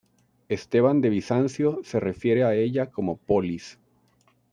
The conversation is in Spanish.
Esteban de Bizancio se refiere a ella como polis.